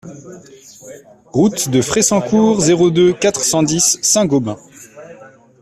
Route de Fressancourt, zéro deux, quatre cent dix Saint-Gobain